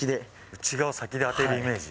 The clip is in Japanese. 内側を先で当てるイメージ。